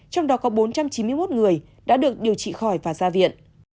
trong đó có bốn trăm chín mươi một người đã được điều trị khỏi và ra viện